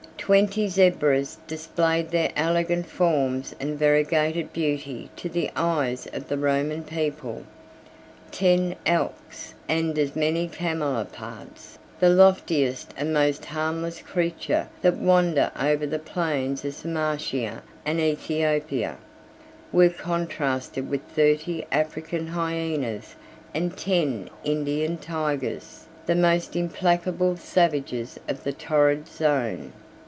Twenty zebras displayed their elegant forms and variegated beauty to the eyes of the Roman people. 87 Ten elks, and as many camelopards, the loftiest and most harmless creatures that wander over the plains of Sarmatia and Æthiopia, were contrasted with thirty African hyænas and ten Indian tigers, the most implacable savages of the torrid zone.